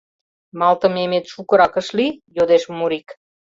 — Малтыме эмет шукырак ыш лий? — йодеш Мурик.